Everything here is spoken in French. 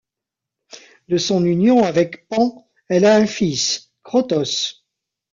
De son union avec Pan, elle a un fils, Crotos.